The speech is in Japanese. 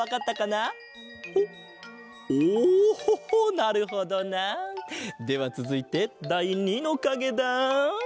なるほどな。ではつづいてだい２のかげだ！